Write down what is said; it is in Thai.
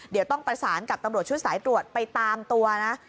เดี๋ยวต้องประสานกับตำรวจชุดสายตรวจไปตามตัวนะ